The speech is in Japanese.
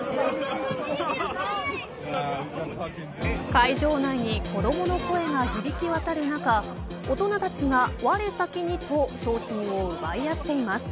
会場内に子どもの声が響き渡る中大人たちが、われ先に、と商品を奪い合っています。